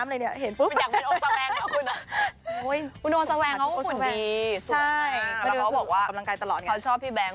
ในอยากจะไปไหว้น้ำเอ่ย